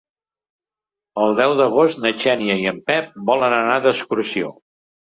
El deu d'agost na Xènia i en Pep volen anar d'excursió.